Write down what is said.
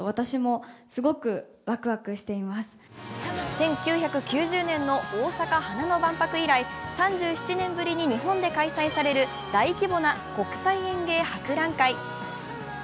１９９０年の大阪花の万博以来３７年ぶりに日本で開催される大規模な国際園芸博覧会。